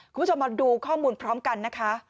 คุณผู้ชมมาดูข้อมูลพร้อมกันนะคะ